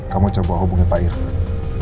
kamu coba hubungi pak irman